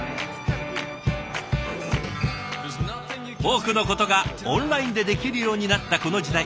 多くのことがオンラインでできるようになったこの時代。